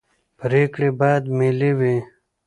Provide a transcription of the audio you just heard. پرېکړې باید ملي وي